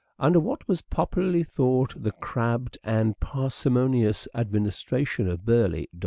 Under what was popularly thought the crabbed and parsimonious administration of Burleigh